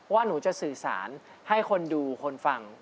หนูจะสื่อสารให้คนดูคนฟัง